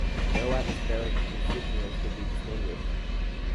No atmospheric constituents could be distinguished.